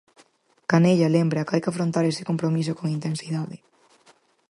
Canella lembra que hai que afrontar ese compromiso con intensidade.